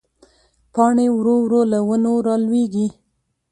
پاڼې ورو ورو له ونو رالوېږي